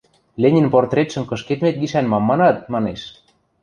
– Ленин портретшыӹм кышкедмет гишӓн мам манат? – манеш.